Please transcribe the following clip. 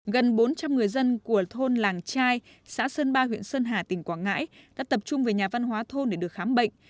gần bốn trăm linh người dân của thôn làng trai xã sơn ba huyện sơn hà tỉnh quảng ngãi đã tập trung về nhà văn hóa thôn để được khám bệnh